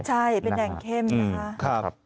ใช่เป็นแดงเข้มครับ